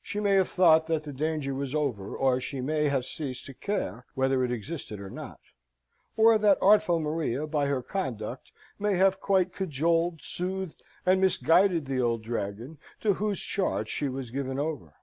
She may have thought that the danger was over, or she may have ceased to care whether it existed or not, or that artful Maria, by her conduct, may have quite cajoled, soothed, and misguided the old Dragon, to whose charge she was given over.